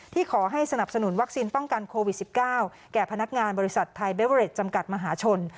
ขอให้สนับสนุนวัคซีนป้องกันโควิด๑๙แก่พนักงานบริษัทไทยเบเวอเรดจำกัดมหาชน